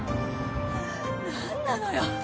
何なのよ